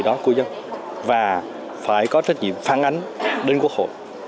đó của dân và phải có trách nhiệm phản ánh đến quốc hội